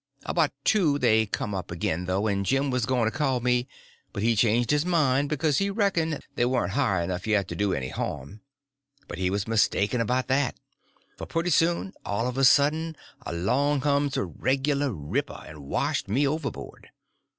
About two they come up again, though, and Jim was going to call me; but he changed his mind, because he reckoned they warn't high enough yet to do any harm; but he was mistaken about that, for pretty soon all of a sudden along comes a regular ripper and washed me overboard.